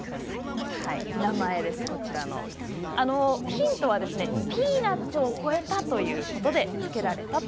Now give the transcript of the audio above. ヒントはピーナッツを超えたということで付けられたと。